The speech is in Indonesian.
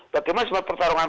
bagaimana sebuah pertarungan